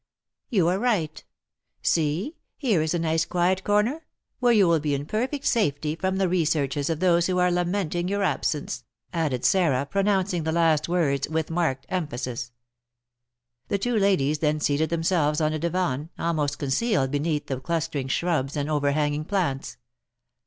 "You are right; see, here is a nice quiet corner, where you will be in perfect safety from the researches of those who are lamenting your absence," added Sarah, pronouncing the last words with marked emphasis. The two ladies then seated themselves on a divan, almost concealed beneath the clustering shrubs and overhanging plants.